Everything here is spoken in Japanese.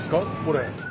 これ。